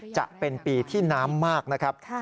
จะเป็นปีที่น้ำมากนะครับ